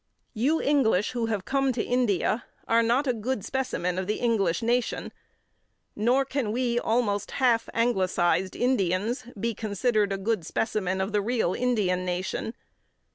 "You English who have come to India are not a good specimen of the English nation, nor can we almost half Anglicised Indians, be considered a good specimen of the real Indian nation.